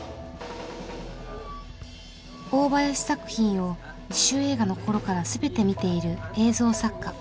大林作品を自主映画の頃から全て見ている映像作家